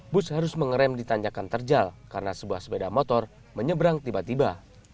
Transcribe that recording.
bus harus mengerem di tanjakan terjal karena sebuah sepeda motor menyeberang tiba tiba